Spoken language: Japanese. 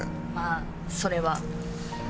まあそれは。